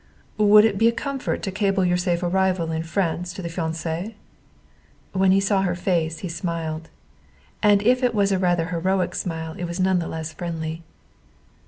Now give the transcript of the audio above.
"Would it be a comfort to cable your safe arrival in France to the fiancé?" When he saw her face he smiled. And if it was a rather heroic smile it was none the less friendly.